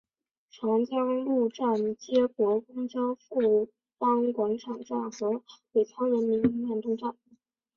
长江路站接驳公交富邦广场站和北仑人民医院东站。